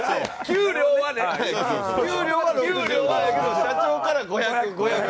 給料は給料はやけど社長から５００５００。